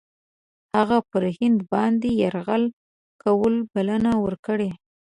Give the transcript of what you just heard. هغه پر هند باندي یرغل کولو بلنه ورکړې.